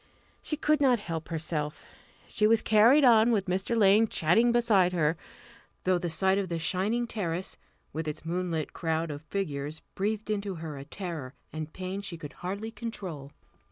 She could not help herself. She was carried on, with Mr. Lane chatting beside her though the sight of the shining terrace, with its moonlit crowd of figures, breathed into her a terror and pain she could hardly control.